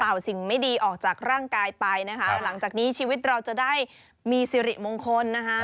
เอาสิ่งไม่ดีออกจากร่างกายไปนะคะหลังจากนี้ชีวิตเราจะได้มีสิริมงคลนะคะ